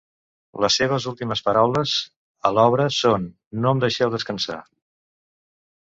Les seves últimes paraules a l’obra són: ’No em deixeu descansar.